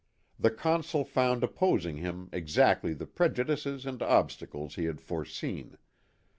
The Consul found opposing him exactly the prejudices and obstacles he had foreseen.